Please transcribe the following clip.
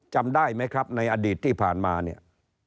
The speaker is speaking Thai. จำได้ไหมครับในอดีตที่ผ่านมาเนี่ย